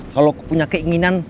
kalau punya keinginan